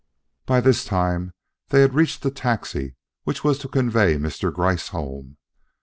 By this time they had reached the taxi which was to convey Mr. Gryce home.